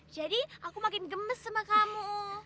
jadi aku makin gemes sama kamu